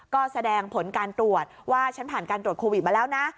ก็แสดงผลการตรวจว่าฉันผ่านการตรวจโควิดมาแล้วนะ